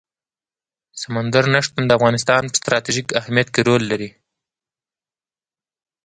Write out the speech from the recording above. سمندر نه شتون د افغانستان په ستراتیژیک اهمیت کې رول لري.